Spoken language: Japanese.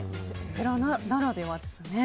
お寺ならではですね。